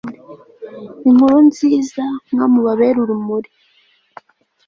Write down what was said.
inkuru nziza, mwami, ubabere urumuri